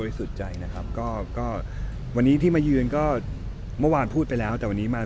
หลังจากวางเมื่อที่พี่ออกมาให้สัมภาพ